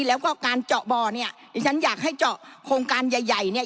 แล้วก็การเจาะบ่อเนี่ยดิฉันอยากให้เจาะโครงการใหญ่ใหญ่เนี่ย